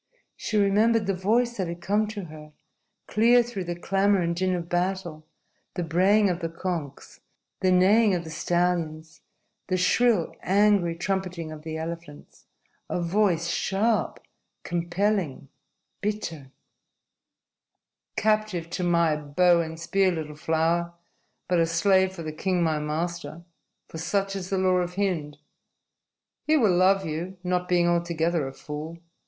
She remembered the voice that had come to her, clear through the clamor and din of battle, the braying of the conches, the neighing of the stallions, the shrill, angry trumpeting of the elephants A voice sharp, compelling, bitter "Captive to my bow and spear, little flower, but a slave for the king, my master. For such is the law of Hind. He will love you not being altogether a fool.